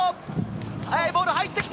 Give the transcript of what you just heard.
速いボールが上がってきた。